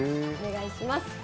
お願いします。